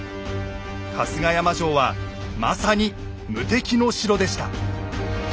春日山城はまさに無敵の城でした。